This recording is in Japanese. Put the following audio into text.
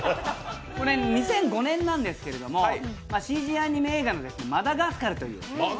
２００５年なんですけどＣＧアニメ映画の「マダガスカル」